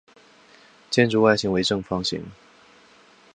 建筑外形为方形。